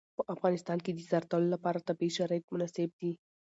په افغانستان کې د زردالو لپاره طبیعي شرایط پوره مناسب دي.